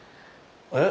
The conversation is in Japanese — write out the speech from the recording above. えっ？